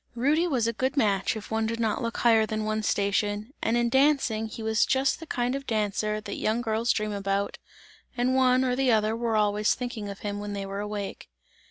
Rudy was a good match if one did not look higher than one's station, and in dancing he was just the kind of dancer that young girls dream about, and one or the other were always thinking of him when they were awake.